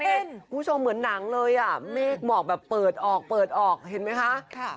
คุณผู้ชมเหมือนหนังเลยอ่ะเมฆหมอกแบบเปิดออกเปิดออกเห็นไหมคะ